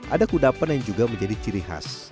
ada kudapan yang juga menjadi ciri khas